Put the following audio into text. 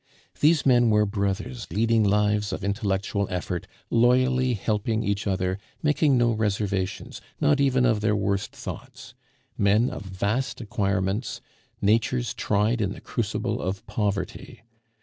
These men were brothers leading lives of intellectual effort, loyally helping each other, making no reservations, not even of their worst thoughts; men of vast acquirements, natures tried in the crucible of poverty.